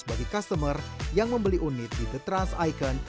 bagi customer yang membeli unit di the trans icon